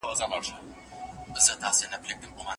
ټولنیز مهارتونه مو په کار کي مرسته کوي.